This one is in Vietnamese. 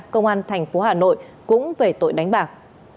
công an thành phố hà nội cũng về tội đánh bạc